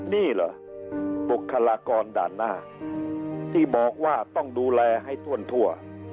นี่เหรอบุคลากรด่านหน้าที่บอกว่าต้องดูแลให้ถ้วนทั่ว